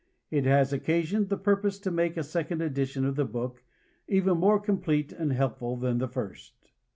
It has occasioned the purpose to make a second edition of the book, even more complete and helpful than the first.